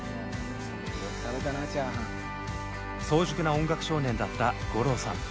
早熟な音楽少年だった五郎さん。